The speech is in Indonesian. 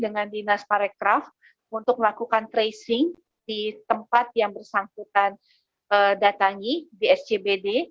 dan juga dengan dinas parekraf untuk melakukan tracing di tempat yang bersangkutan datangi di scbd